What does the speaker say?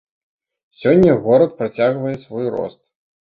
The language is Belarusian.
Сёння горад працягвае свой рост.